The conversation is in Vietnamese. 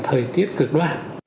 thời tiết cực đoan